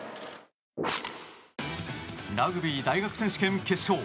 ラグビー大学選手権決勝。